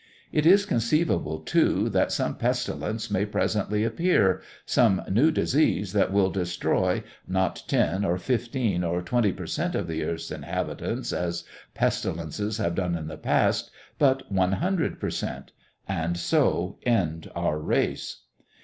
It is conceivable, too, that some pestilence may presently appear, some new disease, that will destroy, not 10 or 15 or 20 per cent. of the earth's inhabitants as pestilences have done in the past, but 100 per cent.; and so end our race.